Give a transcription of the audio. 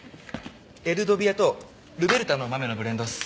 エルドビアとルベルタの豆のブレンドっす。